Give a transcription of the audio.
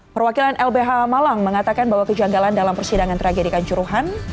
perwakilan lbh malang mengatakan bahwa kejanggalan dalam persidangan tragedi kanjuruhan